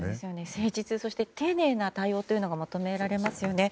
誠実、そして丁寧な対応が求められますよね。